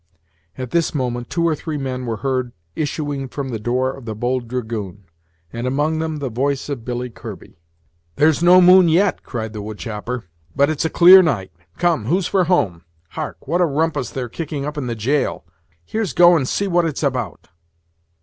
At this moment two or three men were heard issuing from the door of the "Bold Dragoon," and among them the voice of Billy Kirby. "There's no moon yet," cried the wood chopper; "but it's a clear night. Come, who's for home? Hark! what a rumpus they're kicking up in the jail here's go and see what it's about."